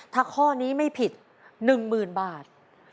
ถ้าข้อนี้ไม่ผิด๑หมื่นบาท